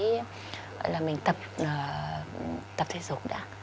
gọi là mình tập thể dục đã